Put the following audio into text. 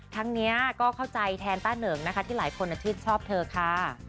ทั้งนี้ก็เข้าใจแทนต้าเหนิงนะคะที่หลายคนชื่นชอบเธอค่ะ